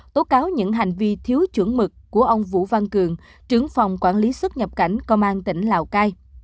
tố cáo những hành vi thiếu chuẩn mực của ông vũ văn cường trưởng phòng quản lý xuất nhập cảnh công an tỉnh lào cai